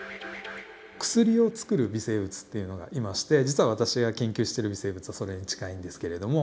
薬をつくる微生物っていうのがいまして実は私が研究してる微生物はそれに近いんですけれども。